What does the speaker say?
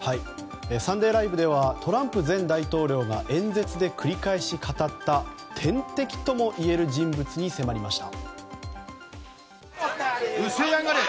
「サンデーＬＩＶＥ！！」ではトランプ前大統領が演説で繰り返し語った天敵ともいえる人物に迫りました。